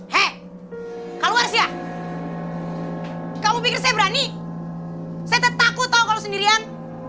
hei keluar sih ya kamu pikir saya berani saya takut oh kalau sendirian